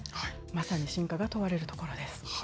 まさに真価が問われるところです。